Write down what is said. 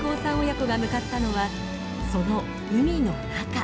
親子が向かったのはその海の中。